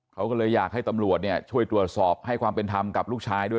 เขาก็เลยอยากให้ตำรวจเนี่ยช่วยตรวจสอบให้ความเป็นธรรมกับลูกชายด้วย